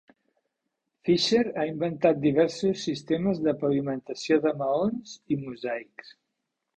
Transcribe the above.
Fisher ha inventat diversos sistemes de pavimentació de maons i mosaics.